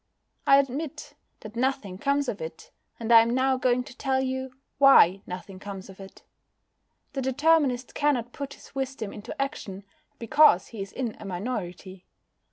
I admit that nothing comes of it, and I am now going to tell you why nothing comes of it. The Determinist cannot put his wisdom into action, because he is in a minority.